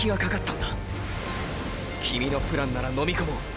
キミのプランならのみこもう！！